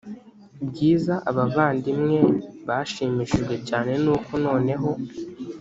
bwiza abavandimwe bashimishijwe cyane n uko noneho